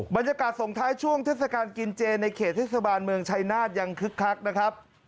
บรรยากาศส่งท้ายช่วงเทศกาลกินเจในเขตเทศบาลเมืองชายนาฏยังคึกคักนะครับ